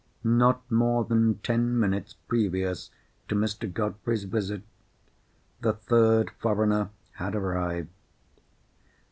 Not more than ten minutes previous to Mr. Godfrey's visit, the third foreigner had arrived.